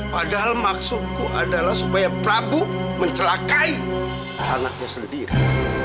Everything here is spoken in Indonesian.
padahal maksudku adalah supaya prabu mencelakai anaknya sendiri